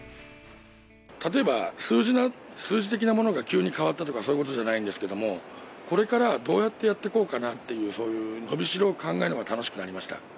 例えば数字的なものが急に変わったとかそういう事じゃないんですけどもこれからどうやってやっていこうかなっていうそういう伸びしろを考えるのが楽しくなりました。